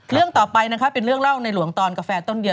เรื่องต่อไปนะครับเป็นเรื่องเล่าในหลวงตอนกาแฟต้นเดียว